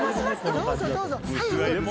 どうぞどうぞ。